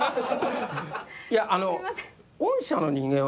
いやあの。